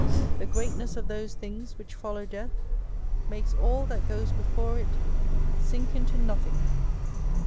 /'' The greatness of those things which follow death \ makes all that goes before it sink into nothing.